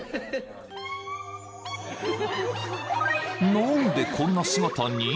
［何でこんな姿に？］